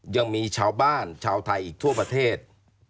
ยังมีชาวบ้านชาวไทยอีกทั่วประเทศ